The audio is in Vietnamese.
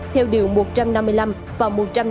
theo điều một trăm năm mươi năm và một trăm năm mươi